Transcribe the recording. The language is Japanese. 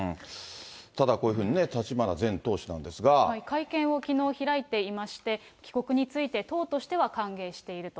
ただこういうふうにね、会見をきのう開いていまして、帰国について、党としては歓迎していると。